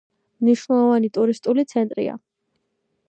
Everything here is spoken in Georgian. მნიშვნელოვანი ტურისტული ცენტრია.